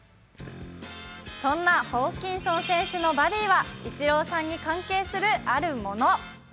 そんなホーキンソン選手のバディは、イチローさんに関係するあるもの。